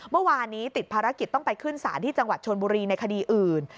เมื่อวานนี้ติดภารกิจต้องไปขึ้นศาลที่จังหวัดชนบุรีในคดีอื่น